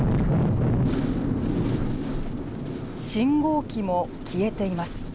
信号機も消えています。